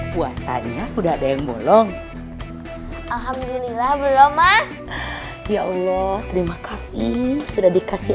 puasanya udah ada yang bolong alhamdulillah belum mah ya allah terima kasih sudah dikasih